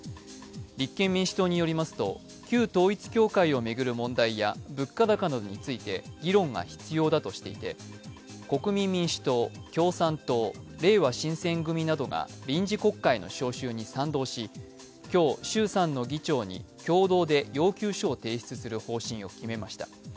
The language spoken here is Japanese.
立憲民主党によりますと、旧統一教会を巡る問題や物価高などについて議論が必要だとしていて国民民主党、共産党、れいわ新選組などが臨時国会の召集に賛同し、今日、衆参の議長に共同で要求書を提出する方針を決めました。